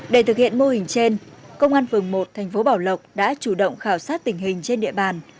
để thực hiện mô hình trên công an phường một thành phố bảo lộc đã chủ động khảo sát tình hình trên địa bàn